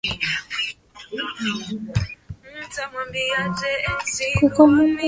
Ugonjwa wa mapele ya ngozi hushambulia zaidi ngombe